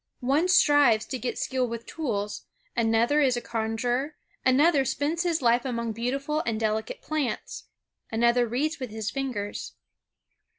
One strives to get skill with tools, another is a conjurer, another spends his life among beautiful and delicate plants, another reads with his fingers.